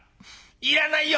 いらないよ！」。